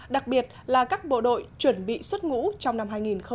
đặc biệt là các bộ đội chuẩn bị xuất ngũ trong năm hai nghìn một mươi tám